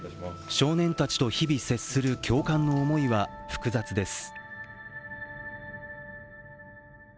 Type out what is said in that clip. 少年たちと日々接する教官の思いは複雑です。